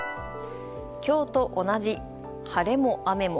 今日と同じ、晴れも雨も。